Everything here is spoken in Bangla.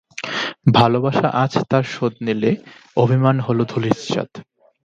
ভালোবাসা আজ তার শোধ নিলে, অভিমান হল ধূলিসাৎ।